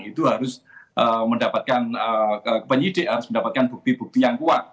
itu harus mendapatkan penyidik harus mendapatkan bukti bukti yang kuat